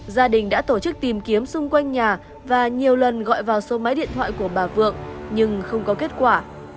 gia đình đã tổ chức tìm kiếm xung quanh nhà và nhiều lần gọi vào số máy điện thoại của bà vượng nhưng không có kết quả